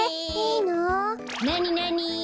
なになに？